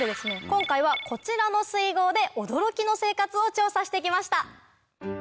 今回はこちらの水郷で驚きの生活を調査して来ました。